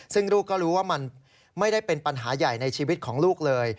ซึ่งลูกก็รู้ว่ามันไม่ได้เป็นปัญหาใหญ่ในชีวิตของลูกเลย